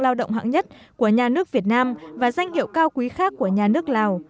lao động hãng nhất của nhà nước việt nam và danh hiệu cao quý khác của nhà nước lào